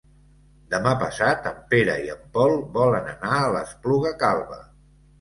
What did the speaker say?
Demà passat en Pere i en Pol volen anar a l'Espluga Calba.